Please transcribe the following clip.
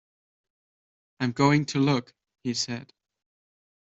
“I’m going to look,” he said..